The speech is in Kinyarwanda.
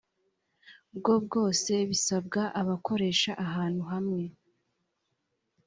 bwo bwose bisabwa abakoresha ahantu hamwe